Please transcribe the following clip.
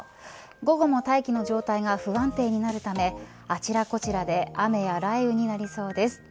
午後も大気の状態が不安定になるためあちらこちらで雨や雷雨になりそうです。